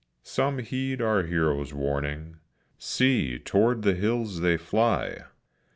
Some heed our hero's warning. See, toward the hills they fly!